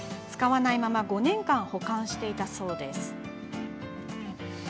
使わないまま５年間、保管していたそうです。